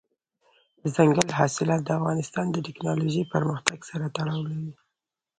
دځنګل حاصلات د افغانستان د تکنالوژۍ پرمختګ سره تړاو لري.